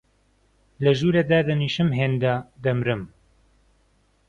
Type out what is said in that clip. لە ژوورێ دادەنیشم هێندە، دەمرم